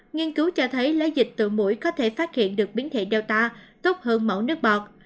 nghiên cứu cho thấy lấy dịch từ mũi có thể phát hiện được biến thể data tốt hơn mẫu nước bọt